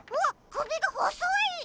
くびがほそい！